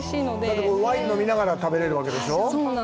だって、ワイン飲みながら食べれるわけでしょう？